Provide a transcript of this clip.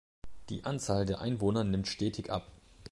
Die Anzahl der Einwohner nimmt stetig ab.